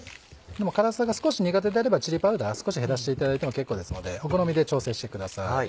でも辛さが少し苦手であればチリパウダー少し減らしていただいても結構ですのでお好みで調整してください。